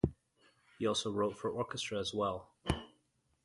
He also wrote for orchestra as well.